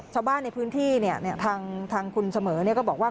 ชาวบ้านในพื้นที่ทางคุณเสมอก็บอกว่า